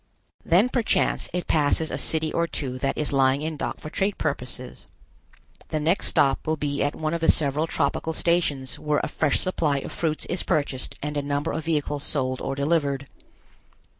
Then perchance it passes a city or two that is lying in dock for trade purposes. The next stop will be at one of the several tropical stations where a fresh supply of fruits is purchased and a number of vehicles sold or delivered.